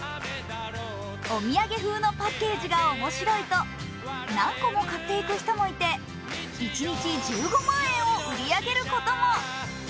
お土産風のパッケージが面白いと、何個も買っていく人もいて、一日１５万円を売り上げることも。